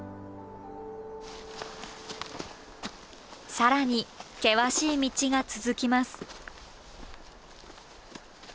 更に険しい道が続きます。